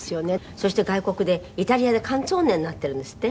そして、外国でイタリアでカンツォーネになってるんですって？